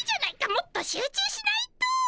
もっと集中しないと！